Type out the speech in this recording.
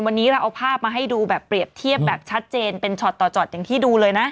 วันนี้เราเอาภาพมาให้ดูแบบเปรียบเทียบแบบชัดเจนเป็นช็อตต่อช็อตอย่างที่ดูเลยนะ